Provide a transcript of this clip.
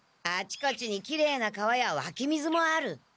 あちこちにきれいな川やわき水もある。